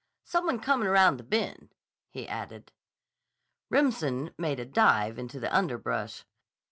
Some one comin' aroun! the bend," he added. Remsen made a dive into the underbrush.